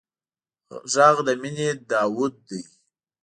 غږ د مینې داوود دی